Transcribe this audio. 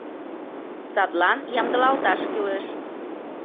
Садлан ямдылалташ кӱлеш.